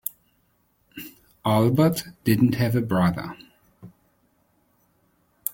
Albert didn't have a brother.